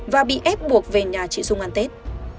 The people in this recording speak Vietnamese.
và bị ép buộc về nhà chị dung ăn tết